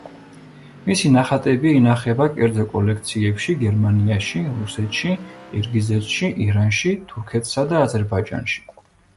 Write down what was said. მისი ნახატები ინახება კერძო კოლექციებში გერმანიაში, რუსეთში, ყირგიზეთში, ირანში, თურქეთსა და აზერბაიჯანში.